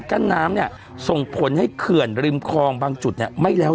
กั้นน้ำเนี่ยส่งผลให้เขื่อนริมคลองบางจุดเนี่ยไม่แล้ว